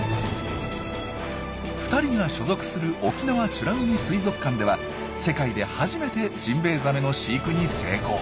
２人が所属する沖縄美ら海水族館では世界で初めてジンベエザメの飼育に成功。